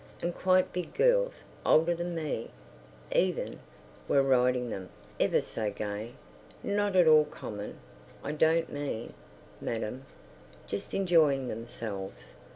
And quite big girls—older than me, even—were riding them, ever so gay. Not at all common, I don't mean, madam, just enjoying themselves.